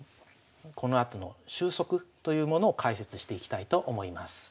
このあとの収束というものを解説していきたいと思います。